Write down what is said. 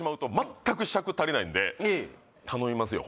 頼みますよ